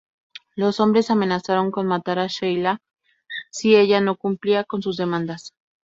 Los hombres amenazaron con matar a Sheila si ella no cumplía con sus demandas.